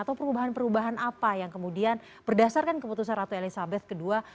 atau perubahan perubahan apa yang kemudian berdasarkan keputusan ratu elizabeth ii